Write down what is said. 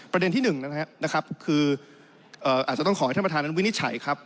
ประเด็นที่หนึ่งนะครับคืออาจจะต้องขอให้ท่านประธานนั้นวินิจฉัยครับ